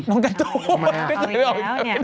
น้องกระตูน